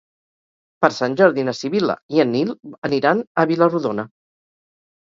Per Sant Jordi na Sibil·la i en Nil aniran a Vila-rodona.